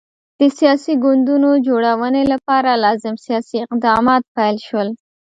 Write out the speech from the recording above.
د سیاسي ګوندونو جوړونې لپاره لازم سیاسي اقدامات پیل شول.